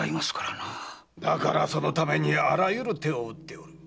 だからそのためにあらゆる手を打っておる。